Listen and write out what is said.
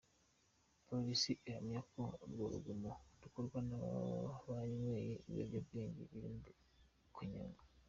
Polisi ihamya ko urwo rugomo rukorwa n’ababa banyweye ibiyobyabwenge birimo kanyanga.